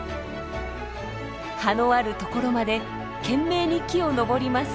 葉のある所まで懸命に木を登ります。